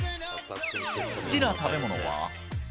好きな食べ物は？